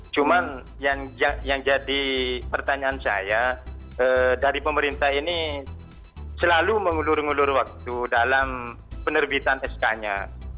cuma yang jadi pertanyaan saya dari pemerintah ini selalu mengulur ngulur waktu dalam penerbitan sk nya